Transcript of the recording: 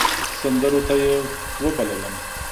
سندرو ته يې وبللم .